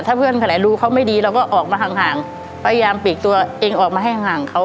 ถ้าเพื่อนคนไหนรู้เขาไม่ดีเราก็ออกมาห่างพยายามปีกตัวเองออกมาให้ห่างเขา